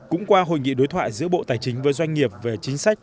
cũng qua hội nghị đối thoại giữa bộ tài chính với doanh nghiệp về chính sách